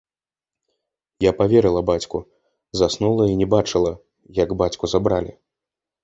Я паверыла бацьку, заснула і не бачыла, як бацьку забралі.